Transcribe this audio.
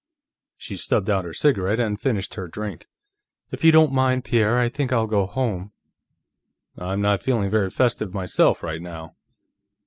She stubbed out her cigarette and finished her drink. "If you don't mind, Pierre, I think I'll go home." "I'm not feeling very festive, myself, right now."